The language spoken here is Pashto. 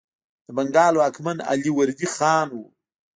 د بنګال واکمن علي وردي خان و.